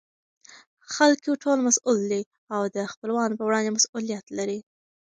خلکو ټول مسئوول دي او دخپلوانو په وړاندې مسئولیت لري.